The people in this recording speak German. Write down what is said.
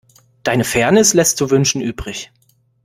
Deine Fairness lässt zu wünschen übrig.